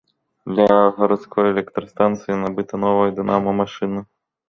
Для гарадской электрастанцыі набыта новая дынама-машына.